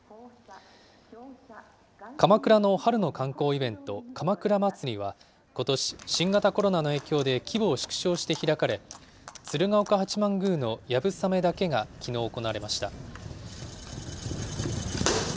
鎌倉の春の観光イベント、鎌倉まつりは、ことし、新型コロナの影響で規模を縮小して開かれ、鶴岡八幡宮のやぶさめだけがきのう行われました。